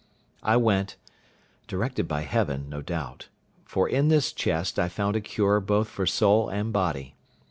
I went, directed by Heaven no doubt; for in this chest I found a cure both for soul and body.